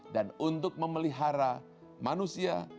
dan untuk memelihara manusia